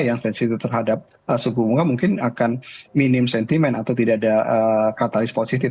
yang sensitif terhadap suku bunga mungkin akan minim sentimen atau tidak ada katalis positif